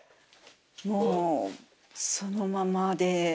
もうそのままで。